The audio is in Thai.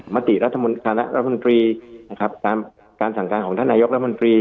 มาตรีรัฐมนตรีตามการสั่งการของท่านนายกรัฐมนตรี